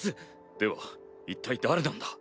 では一体誰なんだ？